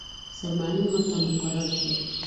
سرمعلم ورته مقرر کړ.